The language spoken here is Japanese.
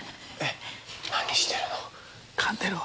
えっ何してるの⁉